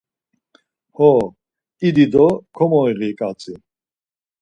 Ho, idi do komoiği ǩatzi.